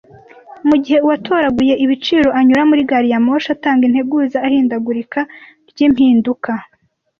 Mugihe uwatoraguye ibiciro anyura muri gari ya moshi atanga integuza ahindagurika ryimpinduka,